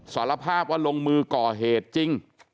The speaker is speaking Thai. สารภาพว่าลงมือก่อเหตุจริง